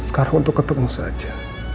hai sekarang untuk ketemu saja